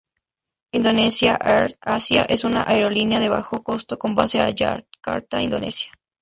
Indonesia AirAsia es una Aerolínea de bajo costo con base en Yakarta, Indonesia.